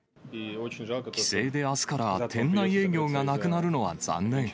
規制であすから店内営業がなくなるのは残念。